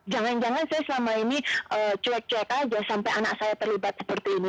jangan jangan saya selama ini cuek cuek aja sampai anak saya terlibat seperti ini